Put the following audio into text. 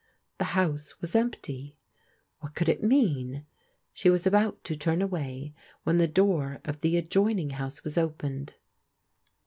The house was empty. What could it mean ? She was about to turn away when the door of the adjoining house was opened.